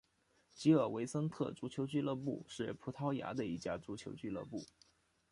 吉尔维森特足球俱乐部是葡萄牙的一家足球俱乐部。